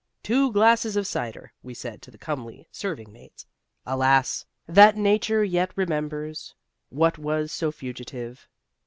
"Two glasses of cider," we said to the comely serving maid. Alas That nature yet remembers What was so fugitive.